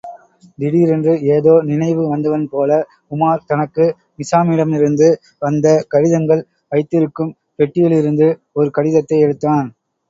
திடீரென்று ஏதோ நினைவு வந்தவன்போல, உமார் தனக்கு நிசாமிடமிருந்து வந்த கடிதங்கள் வைத்திருக்கும் பெட்டியிலிருந்து ஒரு கடிதத்தை எடுத்தான்.